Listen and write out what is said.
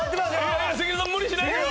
関根さん無理しないでよ。